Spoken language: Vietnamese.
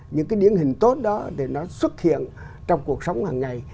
những cái điển hình tốt đó để nó xuất hiện trong cuộc sống hằng ngày